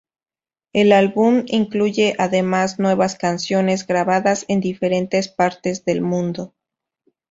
El álbum incluye, además, nuevas canciones grabadas en diferentes partes del mundo.